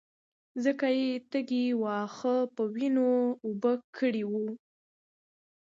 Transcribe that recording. ځکه يې تږي واښه په وينو اوبه کړي وو.